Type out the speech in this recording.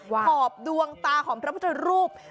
หอบดวงตาของพระพุทธรูป